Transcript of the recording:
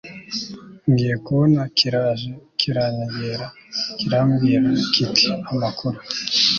ngiye kubona kiraje kiranyegera kirambwira kitiamakuru